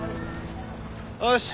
よし！